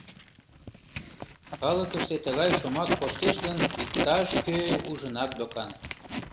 Калыкыште тыгай шомак коштеш гын, иктаж-кӧ ужынак докан.